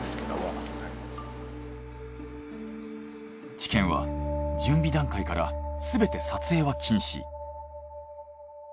治験は準備段階からすべて撮影は禁止。